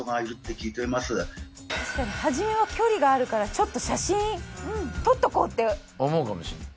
確かに初めは距離があるからちょっと写真撮っとこうって思うかもしれない